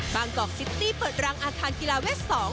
กอกซิตี้เปิดรังอาคารกีฬาเวท๒